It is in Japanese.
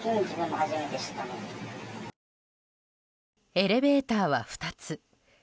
エレベーターは２つ。